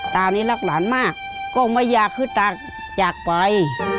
ตานี้รักหลานมากก็ไม่อยากให้ตาจากไป